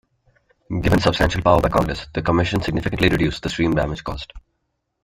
Given substantial power by Congress, the commission significantly reduced the stream damage caused.